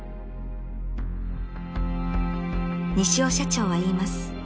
［西尾社長は言います］